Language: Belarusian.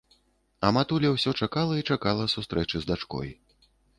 А матуля ўсе чакала і чакала сустрэчы з дачкой